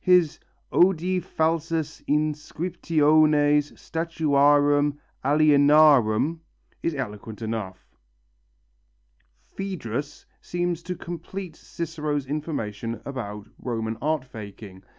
His "Odi falsas inscriptiones statuarum alienarum" is eloquent enough. Phœdrus seems to complete Cicero's information about Roman art faking.